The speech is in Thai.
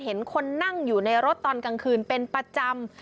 เห็นคนนั่งอยู่ในรถตอนกลางคืนเป็นประจำ